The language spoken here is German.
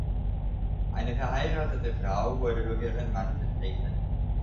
Eine verheiratete Frau wurde durch ihren Mann vertreten.